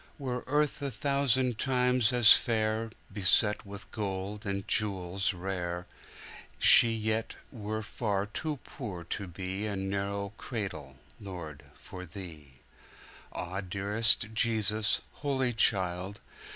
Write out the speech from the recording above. Were earth a thousand times as fair, Beset with gold and jewels rare, She yet were far too poor to beA narrow cradle, Lord, for Thee.Ah, dearest Jesus, Holy Child!